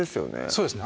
そうですね